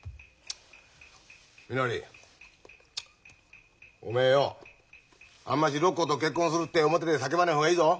みのりおめえよあんましロッコーと結婚するって表で叫ばねえ方がいいぞ。